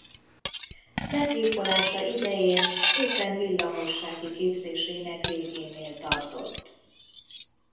Meggyilkolása idején éppen villamossági képzésének végénél tartott.